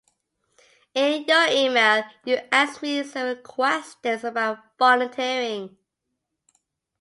In your email you asked me several questions about volunteering.